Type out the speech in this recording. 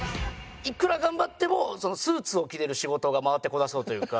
いくら頑張ってもスーツを着れる仕事が回ってこなそうというか。